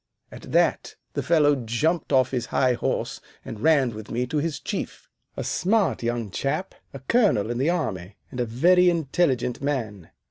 At that the fellow jumped off his high horse and ran with me to his Chief, a smart young chap, a colonel in the army, and a very intelligent man.